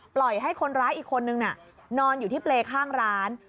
ปล่อยให้คนร้ายอีกคนนึงนอนอยู่ที่เปรย์ข้างร้าน